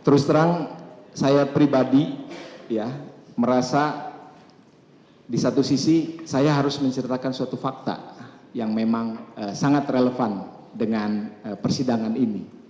terus terang saya pribadi merasa di satu sisi saya harus menceritakan suatu fakta yang memang sangat relevan dengan persidangan ini